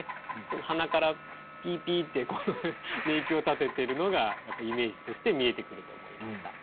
鼻からピーピーって寝息を立ててるのがイメージとして見えてくると思いました。